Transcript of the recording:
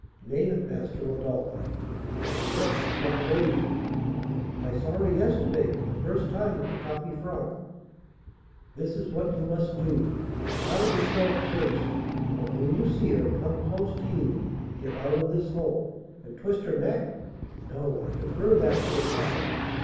"Name it, Master Rodolph." "The Chouette does not know you?" "I saw her yesterday for the first time at the tapis franc." "This is what you must do. Hide yourself first; but, when you see her come close to you, get out of this hole " "And twist her neck?" "No, defer that for a time.